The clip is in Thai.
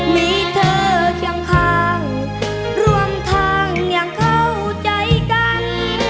มีเธอเคียงข้างรวมทางอย่างเข้าใจกัน